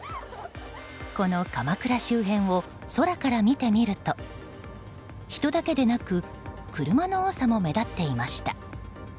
この鎌倉周辺を空から見てみると人だけでなく車の多さも目立っていました。